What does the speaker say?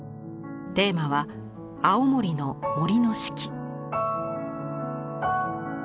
テーマは青森の森の四季。